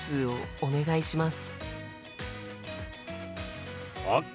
お願いします。